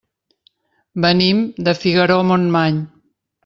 Venim de Figaró-Montmany.